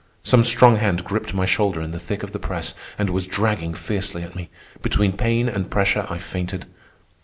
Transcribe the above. Some strong hand gripped my shoulder in the thick of the press and was dragging fiercely at me. Between pain and pressure I fainted.